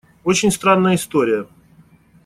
Очень странная история.